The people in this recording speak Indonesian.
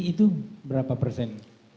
itu berapa persen